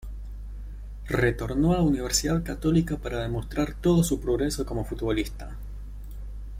Retornó a Universidad Católica para demostrar todo su progreso como futbolista.